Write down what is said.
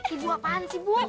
ibu apaan sih bu